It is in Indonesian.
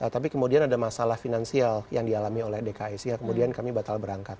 tapi kemudian ada masalah finansial yang dialami oleh dkic kemudian kami batal berangkat